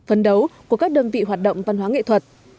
phấn đấu của các đơn vị hoạt động văn hóa nghệ thuật